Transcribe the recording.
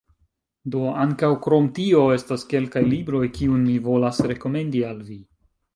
Do, ankaŭ, krom tio, estas kelkaj libroj, kiujn mi volas rekomendi al vi: